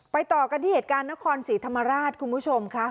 ต่อกันที่เหตุการณ์นครศรีธรรมราชคุณผู้ชมค่ะ